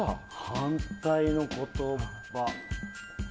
反対の言葉。